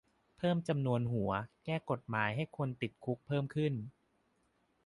เพิ่มจำนวนหัว แก้กฎหมายให้คนติดคุกเพิ่มขึ้น